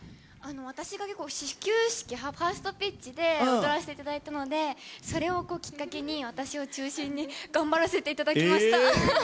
私が始球式、ファーストピッチで踊らせていただいたのでそれをきっかけに、私を中心に頑張らせていただきました。